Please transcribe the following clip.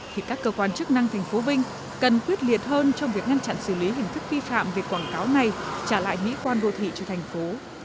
thì các cơ quan chức năng thành phố vinh cần quyết liệt hơn trong việc ngăn chặn xử lý hình thức vi phạm việc quảng cáo này trả lại mỹ quan đồ thị cho thành phố